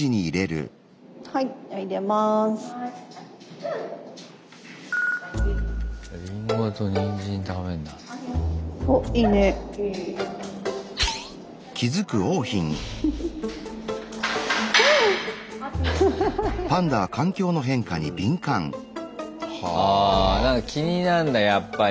ああなんか気になんだやっぱりね。